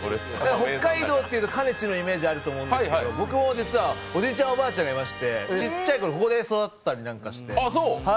北海道っていうと、かねちのイメージあると思うんですけど、僕も実はおじいちゃん、おばあちゃんがいまして、ちっちゃいころここで育ったりなんかして。